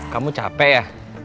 kamu capek ya